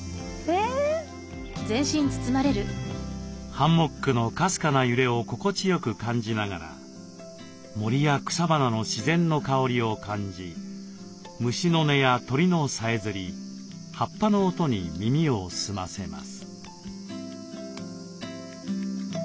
ハンモックのかすかな揺れを心地よく感じながら森や草花の自然の香りを感じ虫の音や鳥のさえずり葉っぱの音に耳を澄ませます。